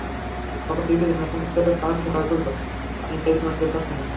অপর দিকে জনসংখ্যার চাপে পাহাড়ি ছড়াগুলো পানির চাহিদা মেটাতে পারছে না।